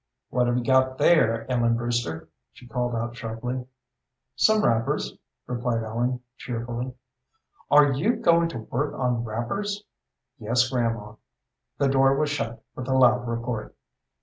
"What have you got there, Ellen Brewster?" she called out sharply. "Some wrappers," replied Ellen, cheerfully. "Are you going to work on wrappers?" "Yes, grandma." The door was shut with a loud report.